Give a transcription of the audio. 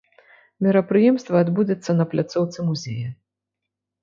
Мерапрыемства адбудзецца на пляцоўцы музея.